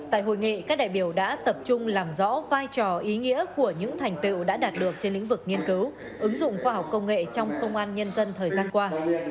tại hội nghị các đại biểu đã tập trung làm rõ vai trò ý nghĩa của những thành tựu đã đạt được trên lĩnh vực nghiên cứu ứng dụng khoa học công nghệ trong công an nhân dân thời gian qua